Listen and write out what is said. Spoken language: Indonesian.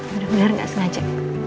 benar benar nggak sengaja